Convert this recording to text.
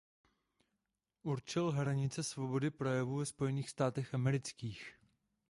Určil hranice svobody projevu ve Spojených státech amerických.